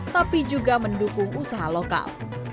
tapi juga mendukung usaha lokal